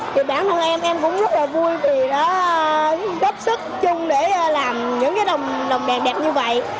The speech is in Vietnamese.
thì bản thân em cũng rất là vui vì đã góp sức chung để làm những đồng đèn đẹp như vậy